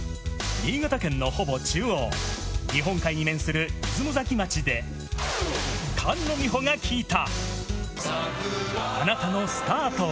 新潟県のほぼ中央、日本海に面する出雲崎町で、菅野美穂が聞いた。